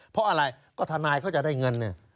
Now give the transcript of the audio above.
เพราะอะไรก็ทนายเขาจะได้เงินเนี่ย